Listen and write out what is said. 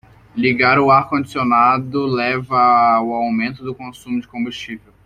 Ligar o ar condicionado leva a um aumento do consumo de combustível.